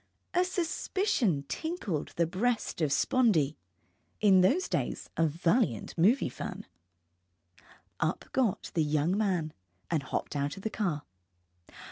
A suspicion tinkled in the breast of Spondee, in those days a valiant movie fan. Up got the young man, and hopped out of the car.